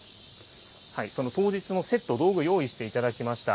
その当日のセット、道具、用意していただきました。